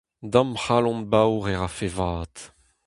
Da'm c'halon baour e rafe vat !